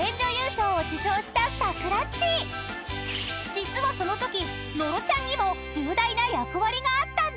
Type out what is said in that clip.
［実はそのとき野呂ちゃんにも重大な役割があったんだって］